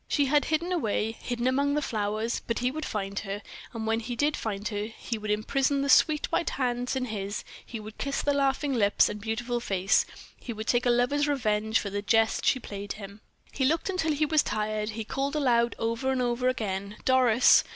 She had hidden away hidden among the flowers; but he would find her, and when he did find her, he would imprison the sweet, white hands in his he would kiss the laughing lips and beautiful face he would take a lover's revenge for the jest she had played him. He looked until he was tired; he called aloud, over and over again, "Doris!"